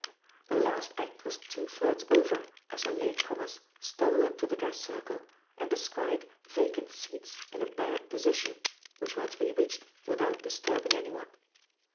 The last act was two thirds over as the late comers stole into the dress circle and descried vacant seats in a bad position, which were to be reached without disturbing anyone.